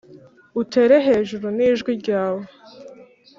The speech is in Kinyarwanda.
utere hejuru ni jwi ryawe